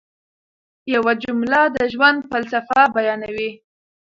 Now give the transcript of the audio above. یوه جمله د ژوند فلسفه بیانوي.